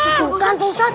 gitu kan ustadz